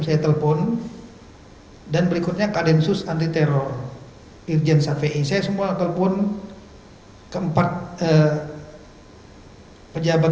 saya telepon dan berikutnya ke densus anti teror irjen safei saya semua telepon keempat pejabat